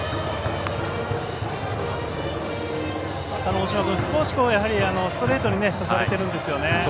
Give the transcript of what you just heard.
大嶋君、少しストレートに差されてるんですよね。